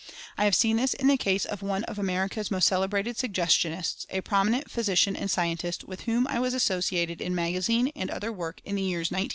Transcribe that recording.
I have seen this in the case of one of America's most celebrated Suggestionists, a prominent physician and scientist, with whom I was associated in magazine and other work in the years 1900 01.